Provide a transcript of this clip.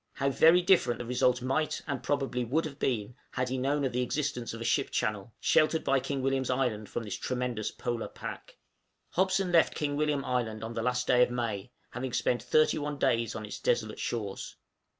How very different the result might and probably would have been had he known of the existence of a ship channel, sheltered by King William Island from this tremendous "polar pack"! Hobson left King William Island on the last day of May, having spent thirty one days on its desolate shores.